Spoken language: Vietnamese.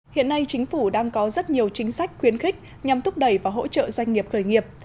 hiện nay chính phủ đang có rất nhiều chính sách khuyến khích nhằm thúc đẩy và hỗ trợ doanh nghiệp khởi nghiệp